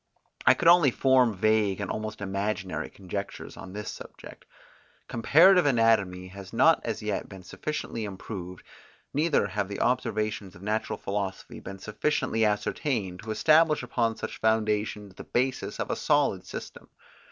I could only form vague, and almost imaginary, conjectures on this subject. Comparative anatomy has not as yet been sufficiently improved; neither have the observations of natural philosophy been sufficiently ascertained, to establish upon such foundations the basis of a solid system.